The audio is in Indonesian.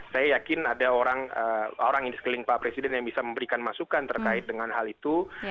saya yakin ada orang di sekeliling pak presiden yang bisa memberikan masukan terkait dengan hal itu